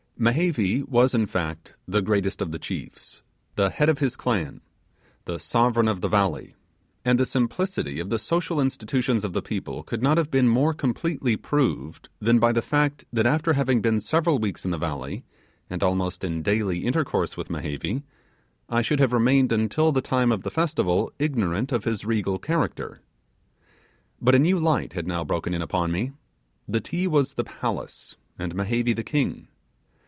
Mehevi was in fact the greatest of the chiefs the head of his clan the sovereign of the valley; and the simplicity of the social institutions of the people could not have been more completely proved than by the fact, that after having been several weeks in the valley, and almost in daily intercourse with Mehevi, I should have remained until the time of the festival ignorant of his regal character. But a new light had now broken in upon me. The Ti was the palace and Mehevi the king.